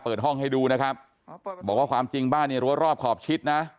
เปิดห้องให้ดูนะครับบอกว่าความจริงบ้านเนี่ยรั้วรอบขอบชิดนะ